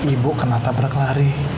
ibu kena tabrak lari